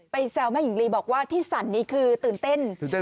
แซวแม่หญิงลีบอกว่าที่สั่นนี้คือตื่นเต้น